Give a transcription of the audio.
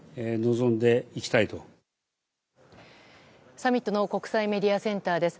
サミットの国際メディアセンターです。